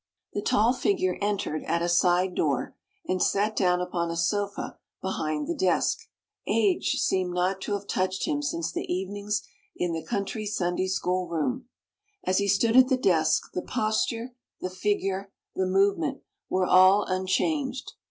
The tall figure entered at a side door, and sat down upon a sofa behind the desk. Age seemed not to have touched him since the evenings in the country Sunday school room. As he stood at the desk the posture, the figure, the movement, were all unchanged.